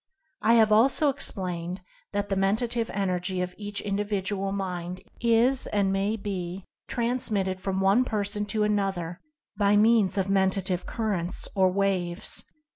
I have also explained that the Menta tive Energy of each Individual Mind is, and may be, transmitted from one person to another by means of Mentative Currents, or Waves.